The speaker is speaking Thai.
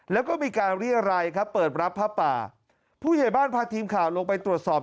แล้วก็มีการเรียรัยครับเปิดรับผ้าป่าผู้ใหญ่บ้านพาทีมข่าวลงไปตรวจสอบ